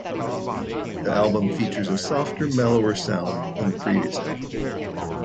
The album features a softer, mellower sound than the previous album.